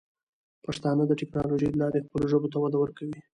پښتانه د ټیکنالوجۍ له لارې خپلو ژبو ته وده ورکوي.